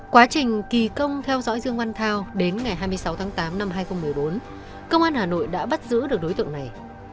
quá trình kỳ công theo dõi dương văn thao đến ngày hai mươi sáu tháng tám năm hai nghìn một mươi bốn công an hà nội đã bắt giữ được đối tượng này